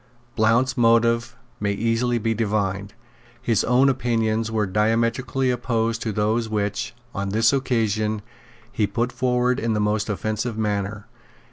Blount's motives may easily be divined. His own opinions were diametrically opposed to those which, on this occasion, he put forward in the most offensive manner.